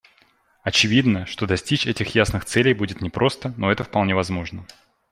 Очевидно, что достичь этих ясных целей будет непросто, но это вполне возможно.